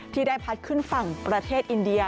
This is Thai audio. ที่ได้พัดขึ้นฝั่งประเทศอินเดีย